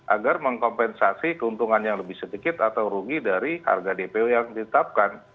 agar mengkompensasi keuntungan yang lebih sedikit atau rugi dari harga dpo yang ditetapkan